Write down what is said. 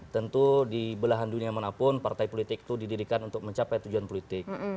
tentu di belahan dunia manapun partai politik itu didirikan untuk mencapai tujuan politik